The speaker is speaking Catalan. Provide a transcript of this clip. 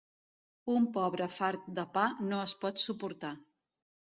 Un pobre fart de pa no es pot suportar.